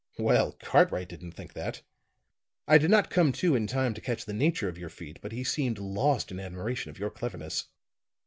"Well, Cartwright didn't think that. I did not come to in time to catch the nature of your feat, but he seemed lost in admiration of your cleverness.